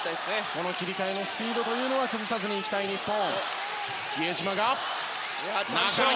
この切り替えのスピードは崩さずに行きたい日本。